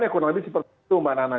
kurang lebih seperti itu mbak nana